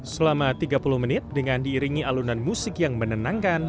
selama tiga puluh menit dengan diiringi alunan musik yang menenangkan